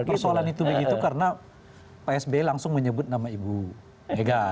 persoalan itu begitu karena pak sby langsung menyebut nama ibu mega